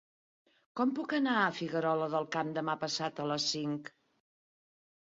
Com puc anar a Figuerola del Camp demà passat a les cinc?